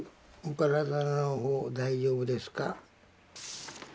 お体のほう大丈夫ですか？」。